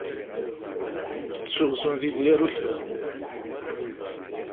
Ittuɣ zun di d-yaru kra.